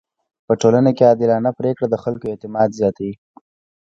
په ټولنه کي عادلانه پریکړه د خلکو اعتماد زياتوي.